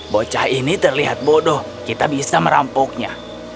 bocah ini terlihat bodoh kita bisa merampoknya